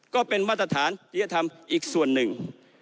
ก็เป็นมาตรฐานจริยธรรมอีกส่วนหนึ่ง